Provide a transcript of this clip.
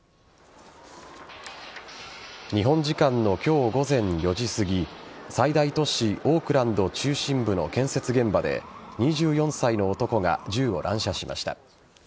日本時間の今日午前４時すぎ最大都市・オークランド中心部の建設現場で２４歳の男が銃を乱射しました。